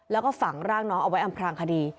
แล้วก็ฝังร่างน้องเอาไว้อำพลางคดี